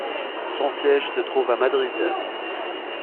Son siège se trouve à Madrid.